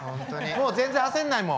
もう全然焦んないもん。